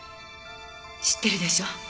知ってるでしょ。